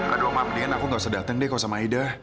aduh ma mendingan aku gak usah datang deh kok sama aida